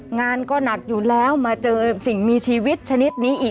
งานก็หนักอยู่แล้วมาเจอสิ่งมีชีวิตชนิดนี้อีก